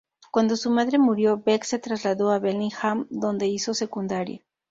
Cuando su madre murió, Beck se trasladó a Bellingham, donde hizo secundaria.